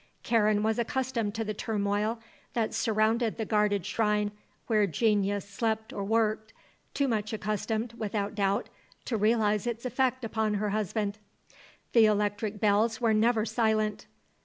Karen was accustomed to the turmoil that surrounded the guarded shrine where genius slept or worked, too much accustomed, without doubt, to realise its effect upon her husband. The electric bells were never silent.